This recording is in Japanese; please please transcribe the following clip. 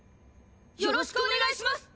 よろしくお願いします。